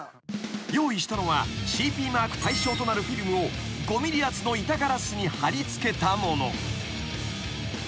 ［用意したのはＣＰマーク対象となるフィルムを５ｍｍ厚の板ガラスに張り付けたもの］